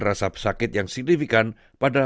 rasa sakit yang signifikan pada